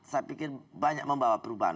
saya pikir banyak membawa perubahan